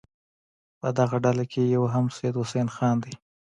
په دغه ډله کې یو هم سید حسن خان دی.